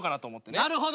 なるほど。